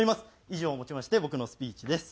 以上をもちまして僕のスピーチです。